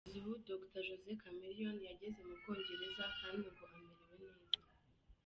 Kugeza ubu Dr Jose Chameleone yageze mu Bwongereza kandi ngo amerewe neza.